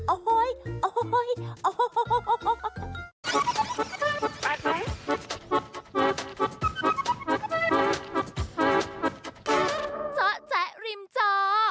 โอ้โฮโอ้โฮโอ้โฮ